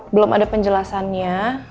belum ada penjelasannya